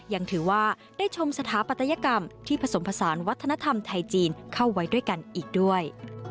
ยังถือว่าได้ชมสถาปัตยกรรมที่ผสมผสานวัฒนธรรมไทยจีนเข้าไว้ด้วยกันอีกด้วย